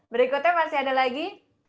berikutnya masih ada lagi